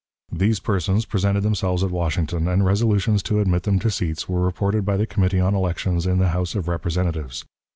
These persons presented themselves at Washington, and resolutions to admit them to seats were reported by the Committee on Elections in the House of Representatives.